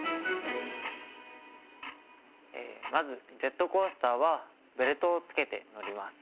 まずジェットコースターはベルトをつけて乗ります。